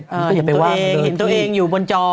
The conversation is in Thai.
เห็นตัวเองเห็นตัวเองอยู่บนจอ